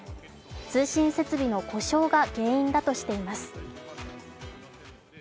通信設備の故障が原因だとしています。